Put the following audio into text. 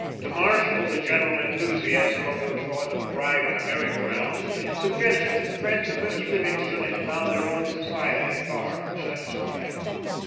To Marshall the general enthusiasm over the thought of a ride on a merry go round suggested that the friends of Mr. Livingstone had found their own society far from satisfying.